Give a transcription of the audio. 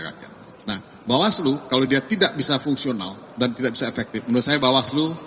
rakyat bahwa seluruh kalau dia tidak bisa fungsional dan tidak efektif menurut saya bahwa